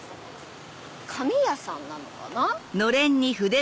紙屋さんなのかな。